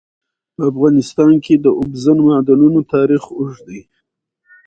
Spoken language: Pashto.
په افغانستان کې د اوبزین معدنونه تاریخ اوږد دی.